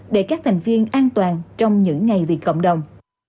để các thành viên an toàn trong những ngày vì cộng đồng